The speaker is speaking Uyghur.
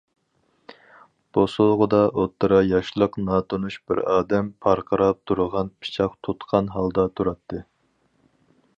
بوسۇغىدا ئوتتۇرا ياشلىق ناتونۇش بىر ئادەم پارقىراپ تۇرغان پىچاق تۇتقان ھالدا تۇراتتى.